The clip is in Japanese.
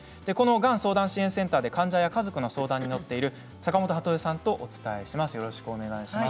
がん相談支援センターで患者や家族の相談に乗っている坂本はと恵さんです。